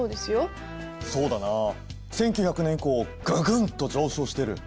そうだな１９００年以降ぐぐんと上昇してる。